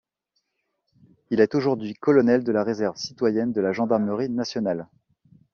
Il est aujourd'hui colonel de la réserve citoyenne de la Gendarmerie nationale.